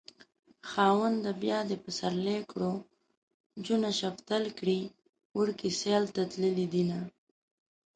خاونده بيا دې پسرلی کړو جونه شفتل کړي وړکي سيل ته تللي دينه